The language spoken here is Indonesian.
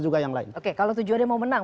kalau tujuannya mau menang